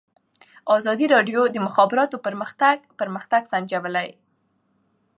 ازادي راډیو د د مخابراتو پرمختګ پرمختګ سنجولی.